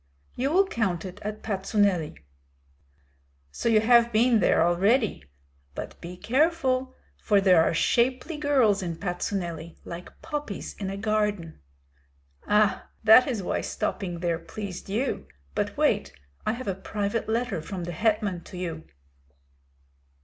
"You will count it at Patsuneli." "So you have been there already? But be careful; for there are shapely girls in Patsuneli, like poppies in a garden." "Ah, that is why stopping there pleased you! But wait, I have a private letter from the hetman to you."